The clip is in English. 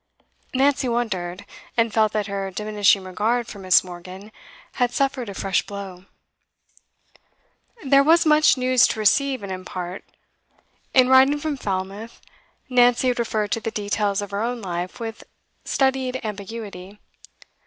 Nancy wondered, and felt that her diminishing regard for Miss. Morgan had suffered a fresh blow. There was much news to receive and impart. In writing from Falmouth, Nancy had referred to the details of her own life with studied ambiguity.